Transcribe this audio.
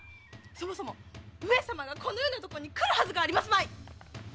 そもそも上様がこのような所に来るはずがありますまい！